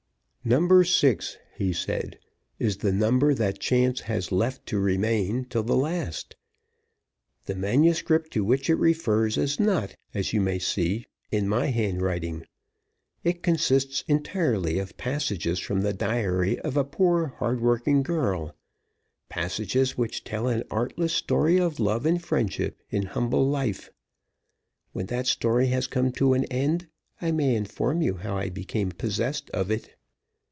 "Number Six," he said, "is the number that chance has left to remain till the last. The manuscript to which it refers is not, as you may see, in my handwriting. It consists entirely of passages from the Diary of a poor hard working girl passages which tell an artless story of love and friendship in humble life. When that story has come to an end, I may inform you how I became possessed of it.